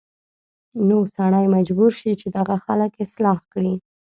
نو سړی مجبور شي چې دغه خلک اصلاح کړي